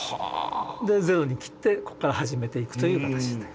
でゼロにきってここから始めていくという形になりますね。